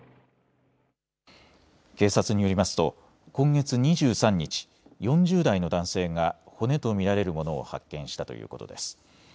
警察によりますと今月２３日、４０代の男性が骨と見られるものを発見したということです。